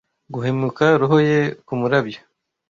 Guhumeka roho ye kumurabyo,